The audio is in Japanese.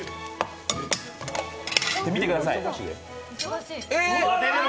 見てください。